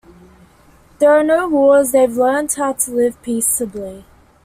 There are no wars, they've learned how to live peaceably.